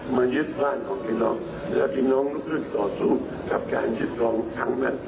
มายึดบ้านของพี่น้องแล้วพี่น้องลุกขึ้นต่อสู้กับการยึดรองครั้งนั้น